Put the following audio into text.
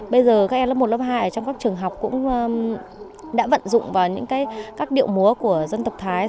bây giờ các em lớp một lớp hai trong các trường học cũng đã vận dụng vào những các điệu múa của dân tộc thái